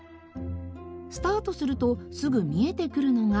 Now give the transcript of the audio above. スタートするとすぐ見えてくるのが。